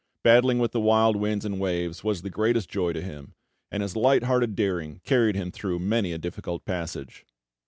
Battling with the wild winds and waves was the greatest joy to him, and his light hearted daring carried him through many a difficult passage.